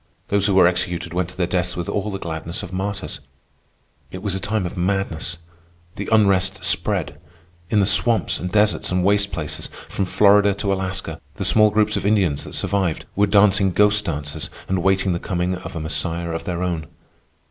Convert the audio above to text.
Those who were executed went to their deaths with all the gladness of martyrs. It was a time of madness. The unrest spread. In the swamps and deserts and waste places, from Florida to Alaska, the small groups of Indians that survived were dancing ghost dances and waiting the coming of a Messiah of their own.